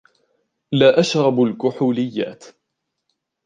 لا أشرب الكحوليات